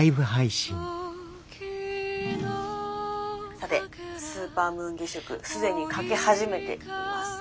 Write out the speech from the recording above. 「さてスーパームーン月食既に欠け始めています。